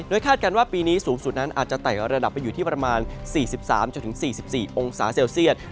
คาดการณ์ว่าปีนี้สูงสุดนั้นอาจจะไต่ระดับไปอยู่ที่ประมาณ๔๓๔๔องศาเซลเซียต